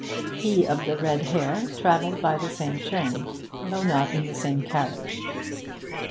He of the red hair travelled by the same train, though not in the same carriage.